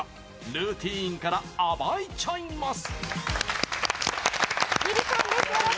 ルーティンから暴いちゃいます！